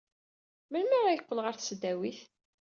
Melmi ara yeqqel ɣer tesdawit?